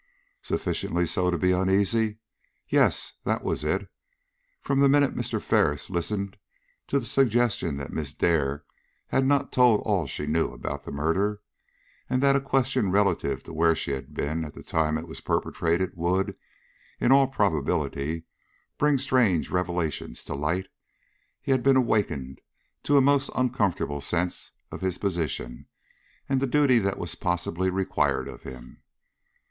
"Sufficiently so to be uneasy!" Yes, that was it. From the minute Mr. Ferris listened to the suggestion that Miss Dare had not told all she knew about the murder, and that a question relative to where she had been at the time it was perpetrated would, in all probability, bring strange revelations to light, he had been awakened to a most uncomfortable sense of his position and the duty that was possibly required of him.